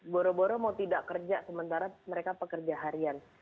boro boro mau tidak kerja sementara mereka pekerja harian